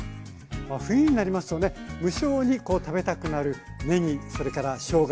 冬になりますとね無性にこう食べたくなるねぎそれからしょうが。